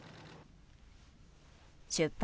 出発